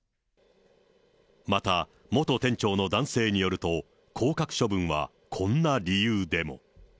また、元店長の男性によると、降格処分はこんな理由でも。